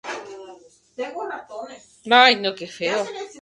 Las traducciones se publican en la "Biblioteca Cochrane Plus".